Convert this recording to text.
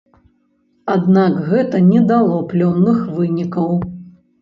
Аднак гэта не дало плённых вынікаў.